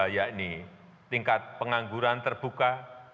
yakni tingkat pengangguran terbuka